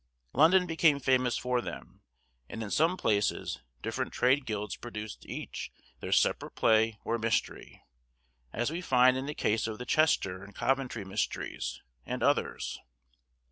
London became famous for them, and in some places different trade guilds produced each their separate play or mystery, as we find in the case of the Chester and Coventry Mysteries, and others.